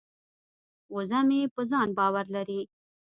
وزه مې په ځان باور لري.